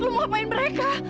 lu mau apain mereka